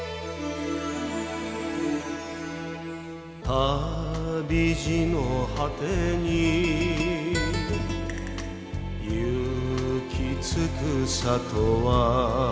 「旅路の果てに行き着く里は」